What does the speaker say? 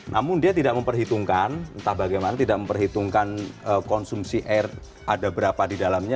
namun dia tidak memperhitungkan entah bagaimana tidak memperhitungkan konsumsi air ada berapa di dalamnya